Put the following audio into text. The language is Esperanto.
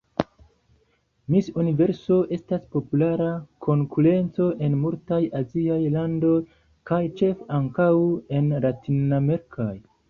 Miss Universo estas populara konkurenco en multaj aziaj landoj kaj ĉefe ankaŭ en latinamerikaj.